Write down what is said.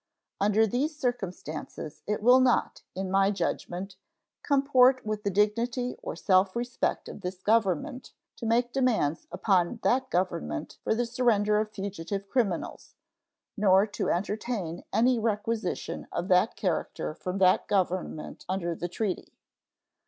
Under these circumstances it will not, in my judgment, comport with the dignity or self respect of this Government to make demands upon that Government for the surrender of fugitive criminals, nor to entertain any requisition of that character from that Government under the treaty.